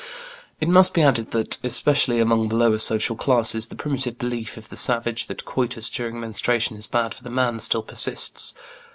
It must be added that, especially among the lower social classes, the primitive belief of the savage that coitus during menstruation is bad for the man still persists.